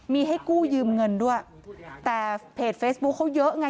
มีให้กู้ยืมเงินด้วยแต่เพจเฟซบุ๊คเขาเยอะไง